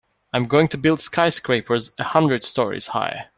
I'm going to build skyscrapers a hundred stories high.